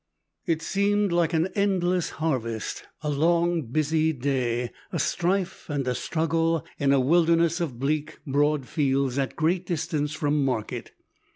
It seemed like an endless harvest, a long busy day, a strife and a struggle, in a wilderness of bleak broad fields at great distance from market.